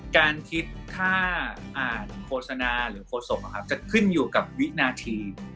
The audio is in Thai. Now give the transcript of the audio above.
การคิดถ้าอ่านโฆษณาหรือโฆษกจะขึ้นอยู่กับวินาที